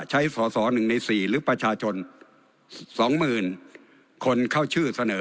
ใช้สอสอหนึ่งในสี่หรือประชาชนสองหมื่นคนเข้าชื่อเสนอ